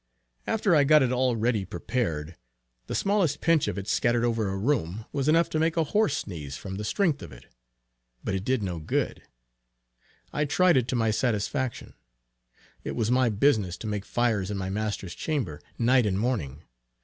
After I got it all ready prepared, the smallest pinch of it scattered over a room, was enough to make a horse sneeze from the strength of it; but it did no good. I tried it to my satisfaction. It was my business to make fires in my master's chamber, night and morning.